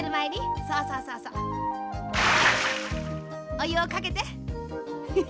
おゆをかけて。